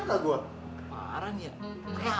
siapa tuh yang dikejar cewek nats redinda